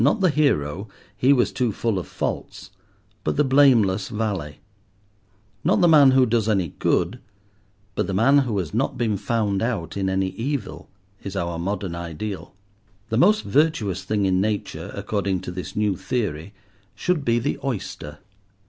Not the hero—he was too full of faults—but the blameless valet; not the man who does any good, but the man who has not been found out in any evil, is our modern ideal. The most virtuous thing in nature, according to this new theory, should be the oyster.